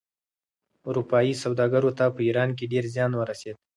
اروپايي سوداګرو ته په ایران کې ډېر زیان ورسېد.